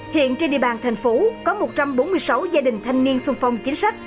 hiện trên địa bàn thành phố có một trăm bốn mươi sáu gia đình thanh niên sung phong chính sách